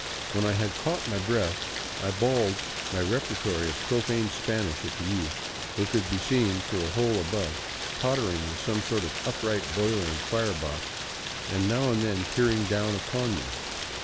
When I had caught my breath I bawled my repertory of profane Spanish at the youth, who could be seen through a hole above pottering with some sort of upright boiler and firebox and now and then peering down upon me.